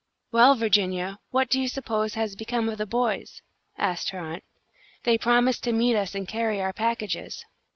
"Well, Virginia, what do you suppose has become of the boys?" asked her aunt. "They promised to meet us and carry our packages."